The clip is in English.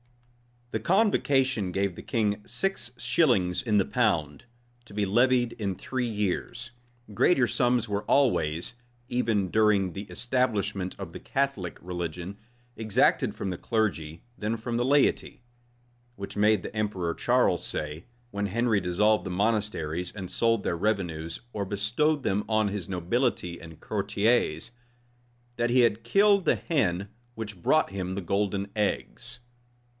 The convocation gave the king six shillings in the pound, to be levied in three years. Greater sums were always, even during the establishment of the Catholic religion, exacted from the clergy than from the laity; which made the emperor Charles say, when Henry dissolved the monasteries, and sold their revenues, or bestowed them on his nobility and courtiers, that he had killed the hen which brought him the golden eggs.